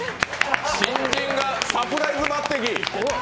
新人がサプライズ抜てき。